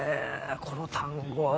この単語は。